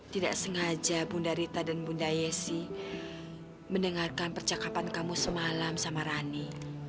tidak sengaja bunda rita dan bunda yesi mendengarkan percakapan kamu semalam sama rani